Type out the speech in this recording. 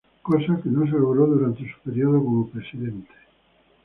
Cosa que no se logró durante su periodo como presidente.